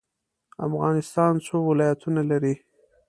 افغانستان څو ولایتونه لري؟